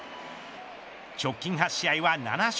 直近８試合は７勝。